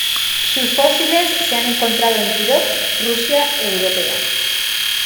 Sus fósiles se han encontrado en Kírov, Rusia europea.